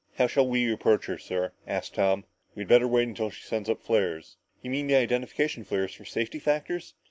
"How shall we approach her, sir?" asked Tom. "We'd better wait until she sends up her flares." "You mean the identification flares for safety factors?"